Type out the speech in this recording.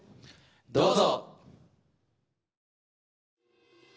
どうぞ。